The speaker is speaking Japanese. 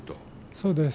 そうです。